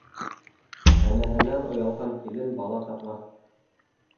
Ҡәйнәһенән оялған килен бала тапмаҫ.